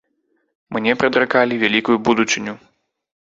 Мне прадракалі вялікую будучыню.